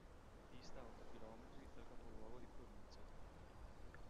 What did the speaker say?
Dista otto chilometri dal capoluogo di provincia.